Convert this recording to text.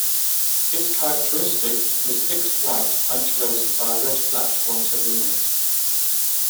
Its characteristic was fixed white punctuated by a red flash once every minute.